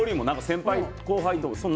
先輩後輩とか。